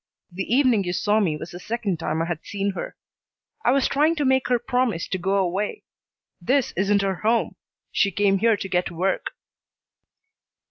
The evening you saw me was the second time I had seen her. I was trying to make her promise to go away. This isn't her home. She came here to get work."